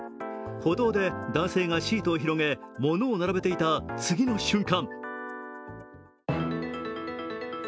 歩道で男性がシートを並べものを並べていた次の瞬間